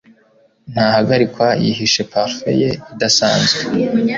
Ntahagarikwa yihishe parufe ye idasanzwe